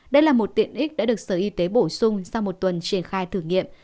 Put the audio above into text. đây là một tiện ích đã được sở y tế bổ sung sau một tuần triển khai thử nghiệm